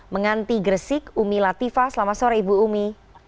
menganti gresik umi latifa selamat sore ibu umi